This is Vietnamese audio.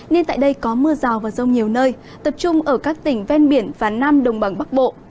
nên tại đây có mưa rào và rông nhiều nơi tập trung ở các tỉnh ven biển và nam đồng bằng bắc bộ